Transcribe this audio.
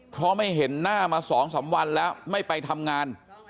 เพราะไม่เห็นหน้ามา๒๓วันแล้วไม่ไปทำงาน